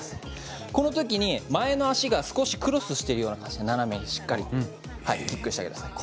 この時に、前の足が少しクロスしているように斜めにしっかりキックしてください。